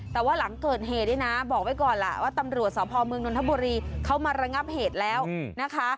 แต่ว่าหลังเกิดเหตุนี่นะบอกไว้ก่อนล่ะว่าตำรวจสพเมืองนทบุรีเขามาระงับเหตุแล้วนะคะ